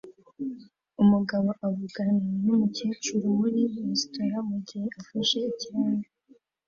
Umugabo uvugana numukecuru muri resitora mugihe afashe ikirahure